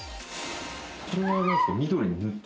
これは何ですか？